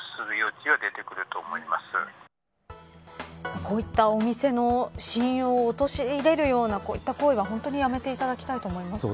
こういったお店の信用を陥れるようなこういった行為は、本当にやめていただきたいと思います。